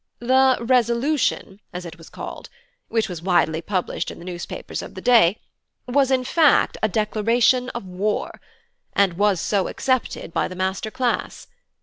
The 'Resolution,' as it was called, which was widely published in the newspapers of the day, was in fact a declaration of war, and was so accepted by the master class.